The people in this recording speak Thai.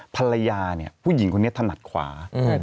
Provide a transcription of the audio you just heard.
ภรรยาหญิงคนนี้ถนัดขวา